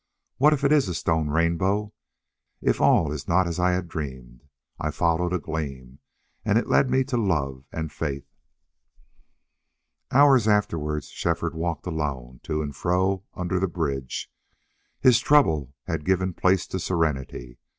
What if it is a stone rainbow if all is not as I had dreamed? I followed a gleam. And it's led me to love and faith!" ........... Hours afterward Shefford walked alone to and fro under the bridge. His trouble had given place to serenity.